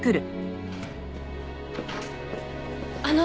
あの。